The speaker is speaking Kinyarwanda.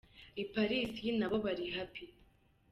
I Paris na bo bari "Happy".